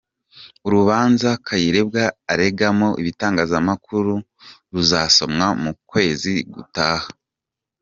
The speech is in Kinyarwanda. Urubanza Kayirebwa aregamo ibitangazamakuru ruzasomwa mu kwezi gutaha